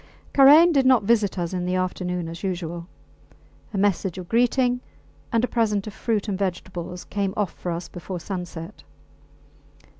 Karain did not visit us in the afternoon as usual. A message of greeting and a present of fruit and vegetables came off for us before sunset.